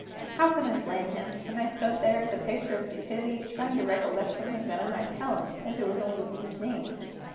How can I blame him, when I stood there the picture of stupidity, trying to recollect something that I might tell him, if it was only the Dean's name?